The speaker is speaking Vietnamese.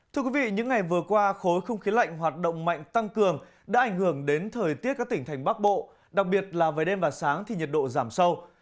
thưa quý vị những ngày vừa qua khối không khí lạnh hoạt động mạnh tăng cường đã ảnh hưởng đến thời tiết các tỉnh thành bắc bộ đặc biệt là về đêm và sáng thì nhiệt độ giảm sâu